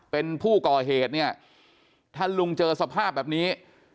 เป็นผู้ก่อเหตุเนี่ยถ้าลุงเจอสภาพแบบนี้